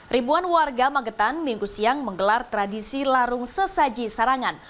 ribuan warga magetan minggu siang menggelar tradisi larung sesaji sarangan